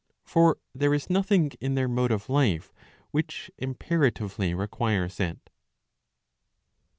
For there is nothing in their mode of life which imperatively requires it.